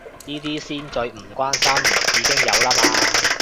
呢啲先最唔關心，已經有啦嘛